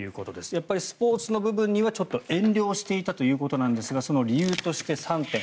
やっぱり、スポーツの部分にはちょっと遠慮をしていたということなんですがその理由として３点。